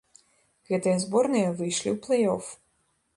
Гэтыя зборныя выйшлі ў плэй-оф.